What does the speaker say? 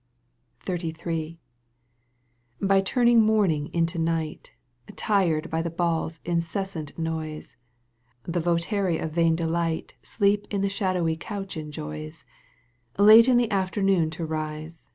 XXXIII. But turning morning into night, .'; Tired by the ball's incessant noise, The votary of vain delight Sleep in the shadowy couch enjoys, Late in the afternoon to rise.